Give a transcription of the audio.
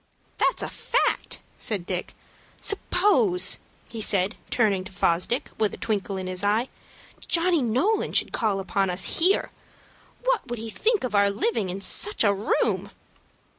"That's a fact," said Dick. "Suppose," he said, turning to Fosdick, with a twinkle in his eye, "Johnny Nolan should call upon us here. What would he think of our living in such a room?"